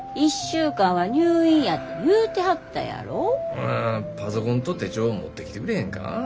ほなパソコンと手帳持ってきてくれへんか。